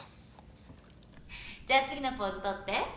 じゃあ次のポーズ取って。